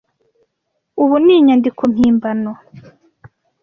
Ubu ni inyandiko mpimbano.